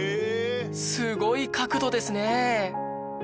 すごい角度ですね！